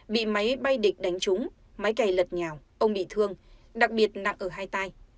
bị máy bay địch đánh trúng máy cày lật nhào ông bị thương đặc biệt nặng ở hai tay